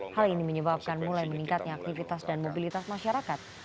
hal ini menyebabkan mulai meningkatnya aktivitas dan mobilitas masyarakat